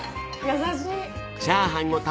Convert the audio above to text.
優しい。